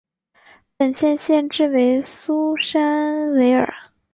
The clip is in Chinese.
本县县治为苏珊维尔。